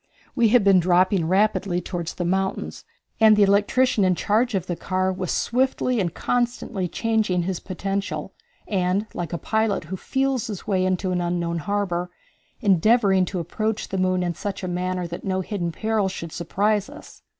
We had been dropping rapidly toward the mountains, and the electrician in charge of the car was swiftly and constantly changing his potential, and, like a pilot who feels his way into an unknown harbor, endeavoring to approach the moon in such a manner that no hidden peril should surprise us.